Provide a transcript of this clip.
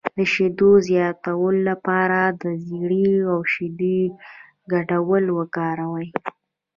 د شیدو زیاتولو لپاره د زیرې او شیدو ګډول وکاروئ